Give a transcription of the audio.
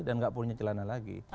dan ga punya celana lagi